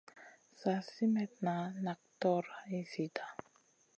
Slak simètna nak tog hay zida.